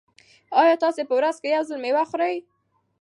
ایا تاسي په ورځ کې یو ځل مېوه خورئ؟